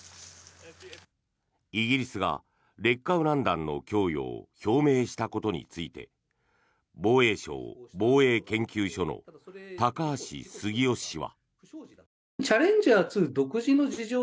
イギリスが劣化ウラン弾の供与を表明したことについて防衛省防衛研究所の高橋杉雄氏は。